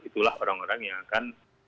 itulah orang orang yang akan